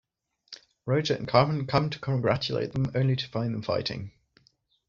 Roger and Carmen come to congratulate them, only to find them fighting.